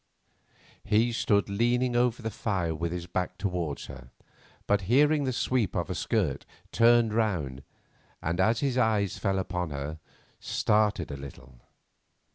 He stood leaning over the fire with his back towards her, but hearing the sweep of a skirt turned round, and as his eyes fell upon her, started a little.